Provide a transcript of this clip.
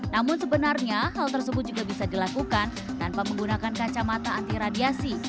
namun sebenarnya hal tersebut juga bisa dilakukan tanpa menggunakan kacamata anti radiasi